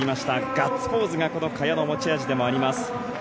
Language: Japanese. ガッツポーズがこの萱の持ち味でもあります。